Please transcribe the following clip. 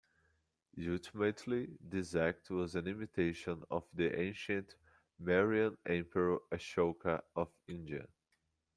Ultimately, this act was an imitation of the ancient Mauryan Emperor Ashoka of India.